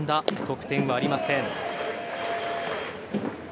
得点はありません。